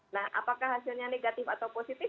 nah apakah hasilnya negatif atau positif